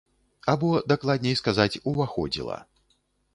Або, дакладней сказаць, уваходзіла.